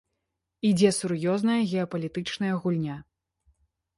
Ідзе сур'ёзная геапалітычная гульня.